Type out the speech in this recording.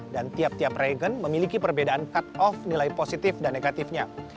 dan tiap tiap regen memiliki perbedaan cut off nilai positif dan negatifnya